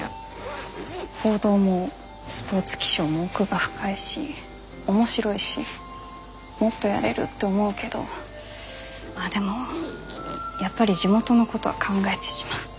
報道もスポーツ気象も奥が深いし面白いしもっとやれるって思うけどああでもやっぱり地元のことは考えてしまう。